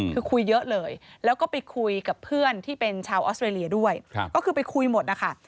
คือคุยเยอะเลยแล้วก็ไปคุยกับเพื่อนที่เป็นชาวออสเตรเลียด้วยก็คือไปคุยหมดนะคะ